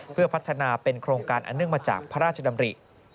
เพื่อพัฒนาเป็นโครงการอันเนื่องมาจากพระราชดำริ